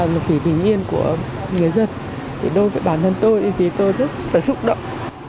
nghĩa dân thì đối với bản thân tôi thì vì tôi rất là xúc động